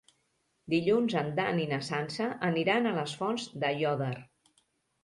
Dilluns en Dan i na Sança aniran a les Fonts d'Aiòder.